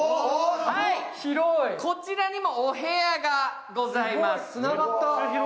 こちらにもお部屋がございます。